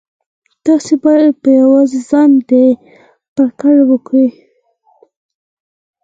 تاسې بايد په يوازې ځان دا پرېکړه وکړئ.